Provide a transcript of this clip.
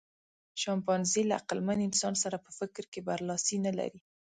شامپانزي له عقلمن انسان سره په فکر کې برلاسی نهلري.